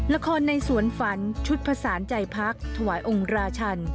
ละครในสวนฝันชุดผสานใจพักถวายองค์ราชัน